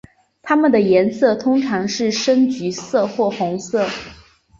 它们的颜色通常是深橙色或红色。